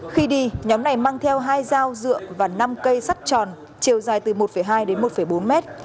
khi đi nhóm này mang theo hai dao dựa và năm cây sắt tròn chiều dài từ một hai đến một bốn mét